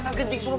tidak merdeka lah